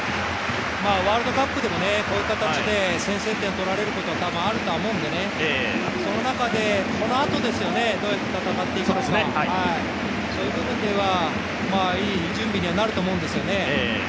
ワールドカップでもこういう形で先制点を取られることは多分あるとは思うのでその中で、このあと、どういう形で戦っていくか、そういう部分ではいい準備にはなると思うんですよね。